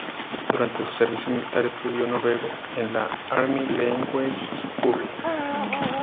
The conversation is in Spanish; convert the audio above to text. Durante su servicio militar estudió noruego en la Army Language School.